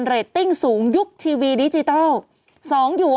เขาจะย้ายช่องหรอ